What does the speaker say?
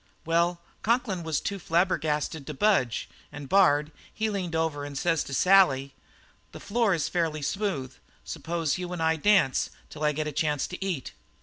"Well, Conklin was too flabbergasted to budge, and Bard, he leaned over and says to Sally: 'This floor is fairly smooth. Suppose you and I dance till I get a chance to eat?'